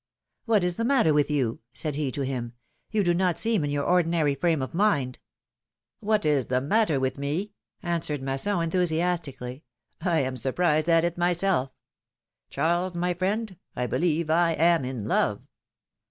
^^What is the matter with you?" said he to him; ^^you do not seem in your ordinary frame of mind." ^^What is the matter with me?" answered Masson, enthusiastically. I am surprised at it myself; Charles, my friend, I believe I am in love!